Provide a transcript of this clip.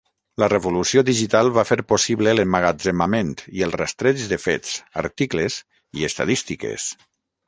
La Revolució Digital va fer possible l’emmagatzemament i el rastreig de fets, articles i estadístiques.